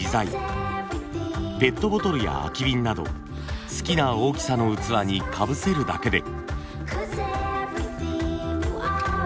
ペットボトルや空き瓶など好きな大きさの器にかぶせるだけで。